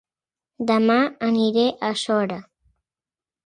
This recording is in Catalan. Dema aniré a Sora